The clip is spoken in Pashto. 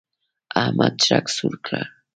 احمد چرګ سور کړ.